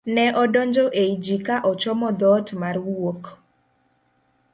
ne odonjo e i ji ka ochomo dhoot mar wuok